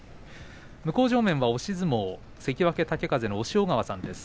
向正面、押し相撲の関脇豪風の押尾川さんです。